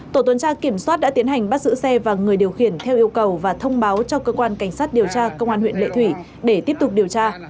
tổ tuần tra kiểm soát đã tiến hành bắt giữ xe và người điều khiển theo yêu cầu và thông báo cho cơ quan cảnh sát điều tra công an huyện lệ thủy để tiếp tục điều tra